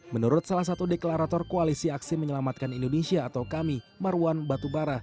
menurut salah satu deklarator koalisi aksi menyelamatkan indonesia atau kami marwan batubara